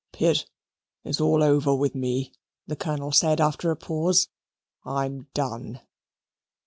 "Pitt, it's all over with me," the Colonel said after a pause. "I'm done."